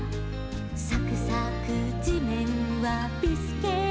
「さくさくじめんはビスケット」